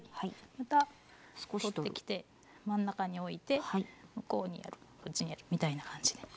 また取ってきて真ん中において向こうにやるこっちにやるみたいな感じで。